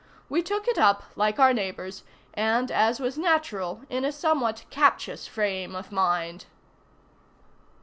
We took it up, like our neighbors, and, as was natural, in a somewhat captious frame of mind.